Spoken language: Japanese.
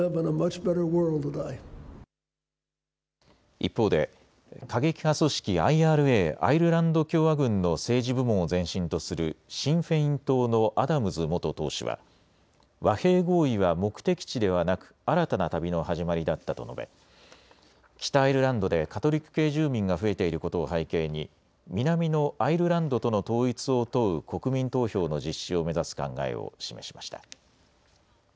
一方で過激派組織ＩＲＡ・アイルランド共和軍の政治部門を前身とするシン・フェイン党のアダムズ元党首は和平合意は目的地ではなく新たな旅の始まりだったと述べ、北アイルランドでカトリック系住民が増えていることを背景に南のアイルランドとの統一を問う国民投票の実施を目指す考えを示しました。